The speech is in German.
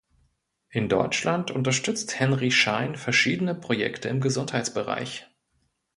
In Deutschland unterstützt Henry Schein verschiedene Projekte im Gesundheitsbereich.